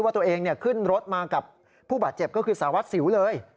ว่าตัวเองขึ้นรถมากับผู้บาดเจ็บก็คือสารวัตรสิวเลย